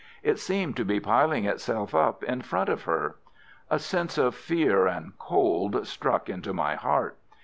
It seemed to be piling itself up in front of her. A sense of fear and cold struck into my heart.